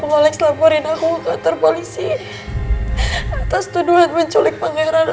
hai walex walex laporin aku ke atur polisi atas tuduhan menculik pangeran